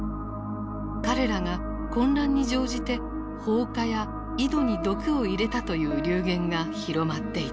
彼らが混乱に乗じて放火や井戸に毒を入れたという流言が広まっていた。